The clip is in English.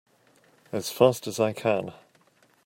As fast as I can!